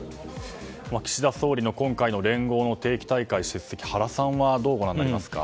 岸田総理の今回の連合の定期大会出席を原さんはどうご覧になりますか。